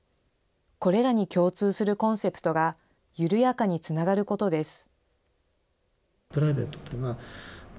これらに共通するコンセプトが、ゆるやかにつながることです。